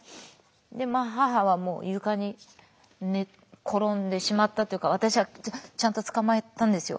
でまあ母はもう床に寝転んでしまったというか私はちゃんとつかまえたんですよ。